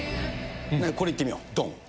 これいってみよう、どん。